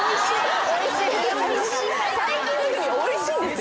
最近のグミおいしいんですよ。